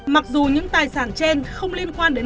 mặc dù những tài sản trên không liên quan đến